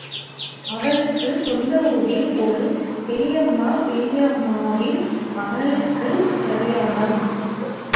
அவளுக்குச் சொந்த ஊரில் ஒரு பெரியம்மா, பெரியம்மாவின் மகளுக்குக் கலியாணம்.